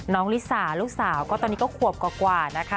ลิสาลูกสาวก็ตอนนี้ก็ขวบกว่านะคะ